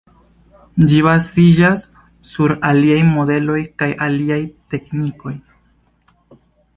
Ĝi baziĝas sur aliaj modeloj kaj aliaj teknikoj.